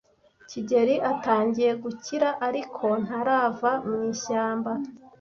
kigeli atangiye gukira, ariko ntarava mu ishyamba.